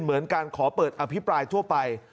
เหมือนการขอเปิดอภิปรายทั่วไป